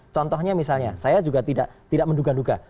contohnya misalnya saya juga tidak menduga duga